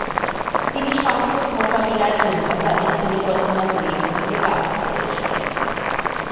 তিনি সংকট মোকাবিলার জন্য তাদের পরিকল্পনা তৈরি করতে বাধ্য করেছিলেন।